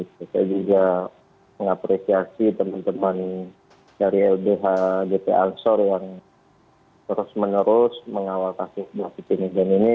saya juga mengapresiasi teman teman dari ldh jt ansor yang terus menerus mengawal kasus buah pimpinan ini